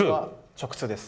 直通です。